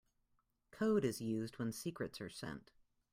Code is used when secrets are sent.